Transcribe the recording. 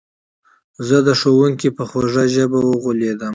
زه د ښوونکي په خوږه ژبه وغولېدم.